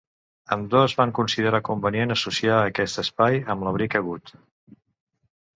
Ambdós van considerar convenient associar aquest espai amb l'abric Agut.